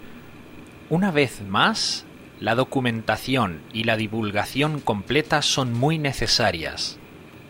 Una vez más, la documentación y la divulgación completa son muy necesarias.